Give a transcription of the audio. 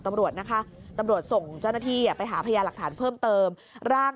ตำรวจนะคะตำรวจส่งเจ้าหน้าที่ไปหาพยาหลักฐานเพิ่มเติมร่าง